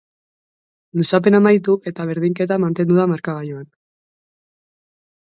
Luzapena amaitu eta berdinketa mantendu da markagailuan.